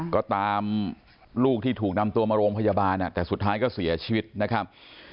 ก็ตามลูกที่ถูกนำตัวมาโรงพยาบาลแต่สุดท้ายก็เสียชีวิตนะครับ